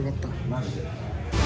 マジで。